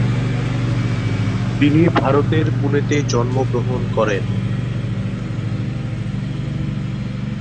তিনি ভারতের পুনেতে জন্মগ্রহণ করেন।